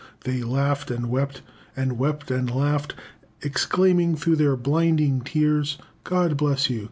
They laughed and wept, and wept and laughed, exclaiming through their blinding tears, 'God bless you!